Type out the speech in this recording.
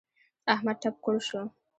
احمد ټپ کوڼ شو.